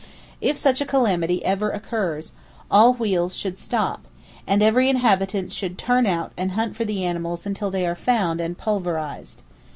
If such a calamity ever occurs, all wheels should stop, and [Page 334] every habitant should turn out and hunt for the animals until they are found and pulverized.